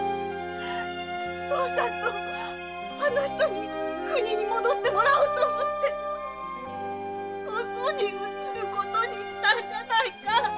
惣さんとあの人に国に戻ってもらおうと思ってよそに移ることにしたんじゃないか！